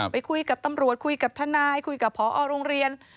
ไปคุยกับตำรวจคุยกับทนายคุยกับพอโรงเรียน